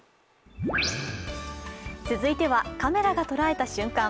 続いてはカメラが捉えた瞬間。